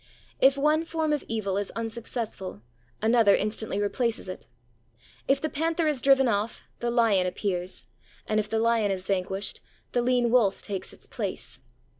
If one form of evil is unsuccessful, another instantly replaces it. If the panther is driven off, the lion appears; and if the lion is vanquished, the lean wolf takes its place.